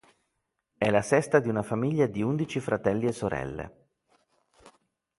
È la sesta di una famiglia di undici fratelli e sorelle.